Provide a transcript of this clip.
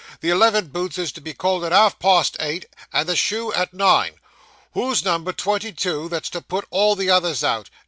The eleven boots is to be called at half past eight and the shoe at nine. Who's number twenty two, that's to put all the others out?